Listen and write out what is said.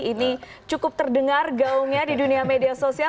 ini cukup terdengar gaungnya di dunia media sosial